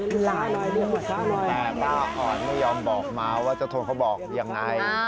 แต่ป้าอ่อนไม่ยอมบอกมาว่าเจ้าโทนเค้าบอกอย่างไร